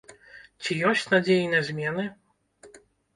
Ці ёсць надзеі на змены?